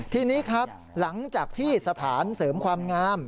ทีนี้ครับหลังจากที่สถานเสริมความงาม